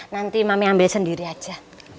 nanti mami ambil sendiri aja